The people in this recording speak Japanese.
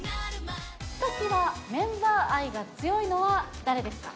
ひときわメンバー愛が強いのは誰ですか。